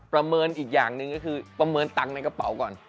เมินอีกอย่างหนึ่งก็คือประเมินตังค์ในกระเป๋าก่อน